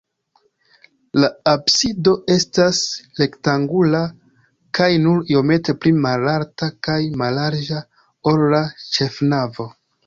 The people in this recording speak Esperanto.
La absido estas rektangula kaj nur iomete pli malalta kaj mallarĝa, ol la ĉefnavo.